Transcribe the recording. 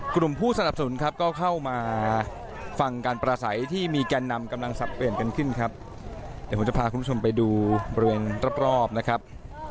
กลุ่มผู้สนับสนุนครับก็เข้ามาฟังการประสัยที่มีแกนนำกำลังสับเปลี่ยนกันขึ้นครับเดี๋ยวผมจะพาคุณผู้ชมไปดูบริเวณรอบรอบนะครับ